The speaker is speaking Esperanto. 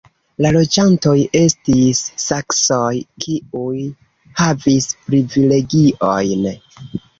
La loĝantoj estis saksoj, kiuj havis privilegiojn.